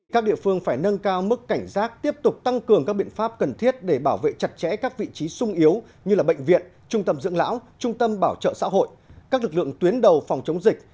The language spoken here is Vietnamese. các địa phương phải nâng cao mức cảnh giác tiếp tục tăng cường các biện pháp cần thiết để bảo vệ chặt chẽ các vị trí sung yếu như bệnh viện trung tâm dưỡng lão trung tâm bảo trợ xã hội các lực lượng tuyến đầu phòng chống dịch